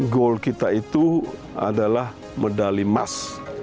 goal kita itu adalah medali emas